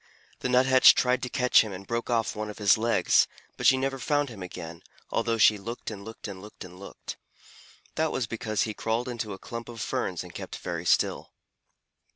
The Nuthatch tried to catch him and broke off one of his legs, but she never found him again, although she looked and looked and looked and looked. That was because he crawled into a clump of ferns and kept very still.